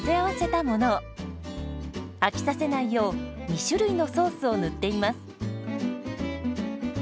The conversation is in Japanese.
飽きさせないよう２種類のソースを塗っています。